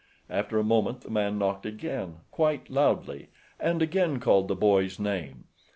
After a moment the man knocked again, quite loudly and again called the boy's name.